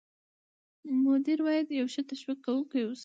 مدیر باید یو ښه تشویق کوونکی واوسي.